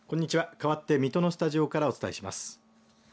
かわって水戸のスタジオからお伝えします。